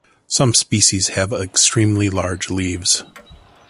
Some species have extremely large leaves.